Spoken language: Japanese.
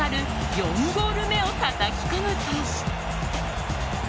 ４ゴール目をたたき込むと。